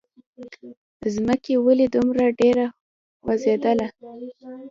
ځمکې! ولې دومره ډېره خوځېدلې؟